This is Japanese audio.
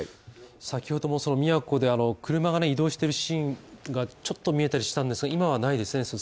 先ほども宮古で車が移動しているシーンがちょっと見えたりしたんですが今はないですね